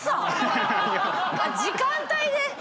時間帯で！